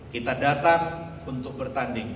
kita datang untuk bertanding